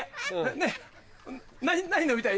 ねっ何飲みたい？